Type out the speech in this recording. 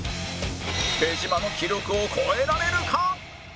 手島の記録を超えられるか？